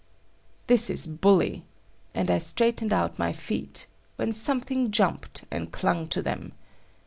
"This is bully!" and I straightened out my feet, when something jumped and clung to them.